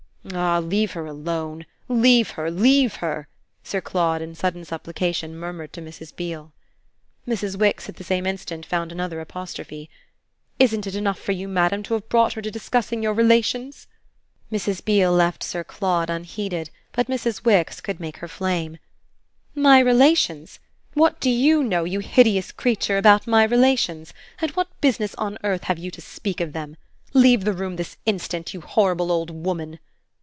"Ah leave her alone leave her, leave her!" Sir Claude in sudden supplication murmured to Mrs. Beale. Mrs. Wix at the same instant found another apostrophe. "Isn't it enough for you, madam, to have brought her to discussing your relations?" Mrs. Beale left Sir Claude unheeded, but Mrs. Wix could make her flame. "My relations? What do you know, you hideous creature, about my relations, and what business on earth have you to speak of them? Leave the room this instant, you horrible old woman!"